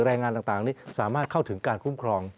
แรงงานต่างนี้สามารถเข้าถึงการคุ้มครอง